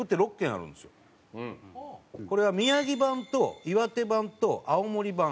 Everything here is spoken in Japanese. これは宮城版と岩手版と青森版。